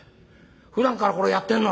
ふだんからこれやってんの？